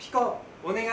お願い！